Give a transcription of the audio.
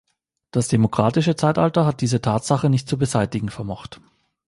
Das demokratische Zeitalter hat diese Tatsache nicht zu beseitigen vermocht.